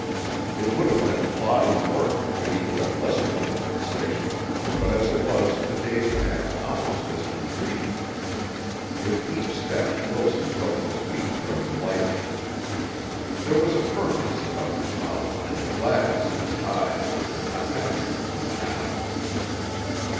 It would have been plodding work to any who had lesser things at stake, but as it was the days passed almost as in a dream. With each step, Wilson felt his feet growing lighter. There was a firmness about his mouth and a gladness in his eyes which had not been there until now.